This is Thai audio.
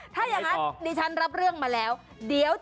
ถ้าอย่างงั้นดิฉันรับเรื่องมาแล้ว